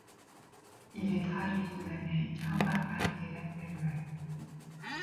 Il est traduit de l'américain par Marie-Hélène Delval.